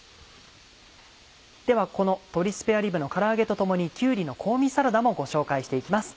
ではこの鶏スペアリブのから揚げと共に「きゅうりの香味サラダ」もご紹介して行きます。